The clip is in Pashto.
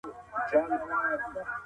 مدني ټولني د جرګي سره څنګه اړیکه لري؟